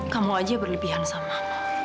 kamu aja berlebihan sama